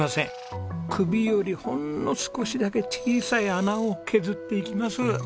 首よりほんの少しだけ小さい穴を削っていきます。